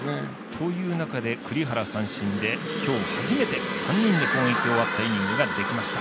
という中で栗原、三振で今日、初めて３人で攻撃を終わったイニングができました。